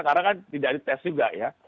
karena kan tidak ada tes juga ya